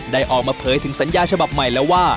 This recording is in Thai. ได้ออกมาเผยถึงสัญญาฉบับใหม่แล้วว่า